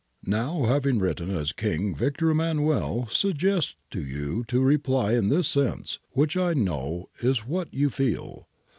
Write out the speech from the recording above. Now, having written as King, Victor Emmanuel suggests to you to reply in this sense, which I know is what you feel.